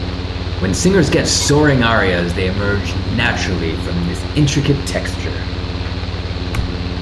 When singers get soaring arias, they emerge naturally from this intricate texture.